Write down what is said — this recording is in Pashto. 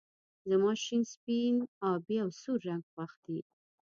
زما شين سپين آبی او سور رنګ خوښ دي